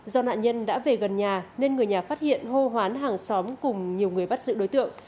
do nạn nhân đã về gần nhà nên người nhà phát hiện hô hoán hàng xóm cùng nhiều người bắt giữ đối tượng